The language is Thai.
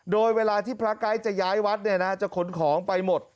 โดยเวลาที่พระไก๊จะย้ายวัดเนี่ยนะจะขนของไปหมด